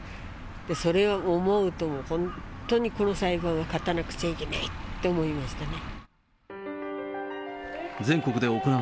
それを思うと、もう本当にこの裁判は勝たなくちゃいけないって思いましたね。